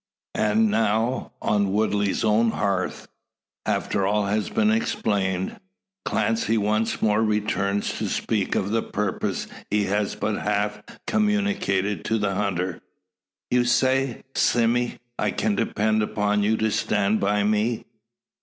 And now on Woodley's own hearth, after all has been explained, Clancy once more returns to speak of the purpose he has but half communicated to the hunter. "You say, Sime, I can depend upon you to stand by me?"